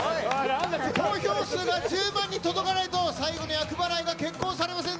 投票数が１０万に届かないと、最後の厄払いが決行されません。